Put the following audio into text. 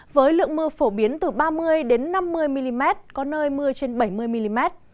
với lượng mưa phổ biến từ ba mươi năm mươi mm có nơi mưa trên bảy mươi mm